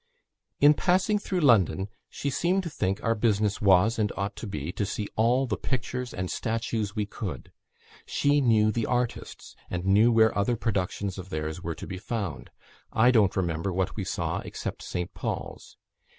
"In passing through London, she seemed to think our business was and ought to be, to see all the pictures and statues we could. She knew the artists, and know where other productions of theirs were to be found. I don't remember what we saw except St. Paul's.